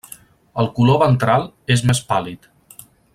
El color ventral és més pàl·lid.